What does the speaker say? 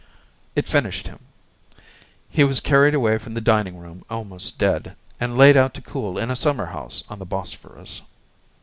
It finished him; he was carried away from the dining room almost dead, and laid out to cool in a summer house on the Bosphorus.